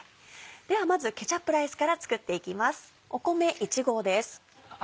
ではまずケチャップライスから作っていきます。